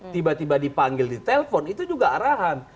tiba tiba dipanggil di telpon itu juga arahan